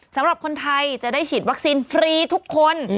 สำหรับคนไทยจะได้ฉีดวัคซีนฟรีทุกคน